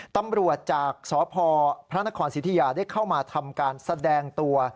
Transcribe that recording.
ตำรวจจากสพพระนครสิทธิยาได้เข้ามาทำการแสดงตัว